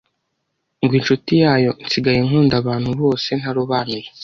ngo incuti yayo, nsigaye nkunda abantu bose ntarobanuye